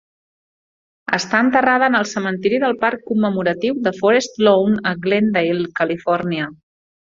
Està enterrada en el cementiri del parc commemoratiu de Forest Lawn a Glendale, Califòrnia.